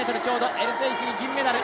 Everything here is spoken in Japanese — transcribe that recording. エルセイフィ、銀メダル。